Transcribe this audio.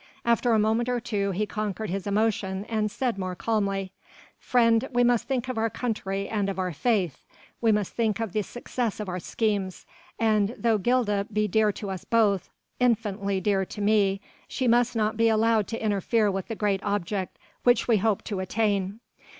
After a moment or two he conquered his emotion and said more calmly: "Friend, we must think of our country and of our faith; we must think of the success of our schemes: and, though Gilda be dear to us both infinitely dear to me she must not be allowed to interfere with the great object which we hope to attain.